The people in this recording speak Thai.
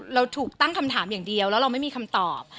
เราถูกตั้งคำถามอย่างเดียวแล้วเราไม่มีคำตอบ